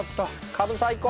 カブ最高！